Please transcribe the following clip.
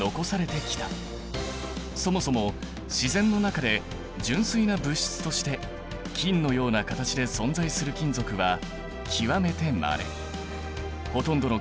そもそも自然の中で純粋な物質として金のような形で存在する金属は極めてまれ。